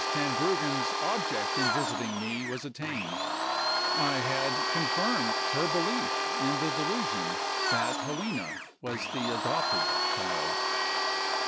Tenbruggen's object in visiting me was attained; I had confirmed her belief in the delusion that Helena was the adopted child.